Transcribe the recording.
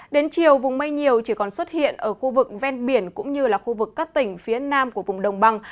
đến chiều vùng mây nhiều chỉ còn xuất hiện ở khu vực ven biển cũng như là khu vực các tỉnh phía nam của vùng đồng bằng